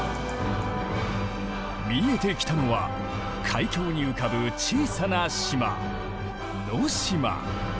見えてきたのは海峡に浮かぶ小さな島能島。